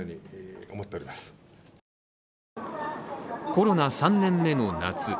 コロナ３年目の夏。